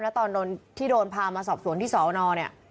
แล้วตอนที่โดนพามาสอบสวนที่สอนอเนี่ย